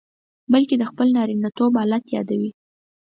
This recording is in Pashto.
بلکې د خپل نارینتوب آلت یادوي.